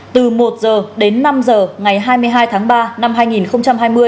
từ một h đến năm h ngày hai mươi hai tháng ba năm hai nghìn hai mươi